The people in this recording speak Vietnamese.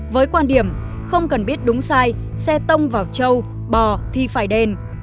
với quan điểm không cần biết đúng sai xe tông vào trâu bò thì phải đền